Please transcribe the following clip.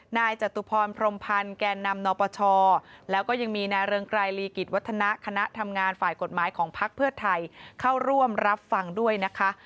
จตุพรพรมพันธ์แก่นำนปชแล้วก็ยังมีนายเรืองไกรลีกิจวัฒนะคณะทำงานฝ่ายกฎหมายของพักเพื่อไทยเข้าร่วมรับฟังด้วยนะคะ